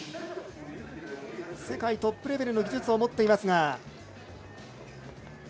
世界トップレベルの技術を持っていますが。